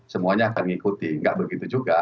semuanya akan mengikuti nggak begitu juga